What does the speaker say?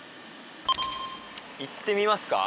行ってみますか？